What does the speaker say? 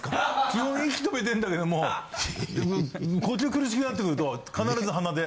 基本息止めてんだけども呼吸苦しくなってくると必ず鼻で。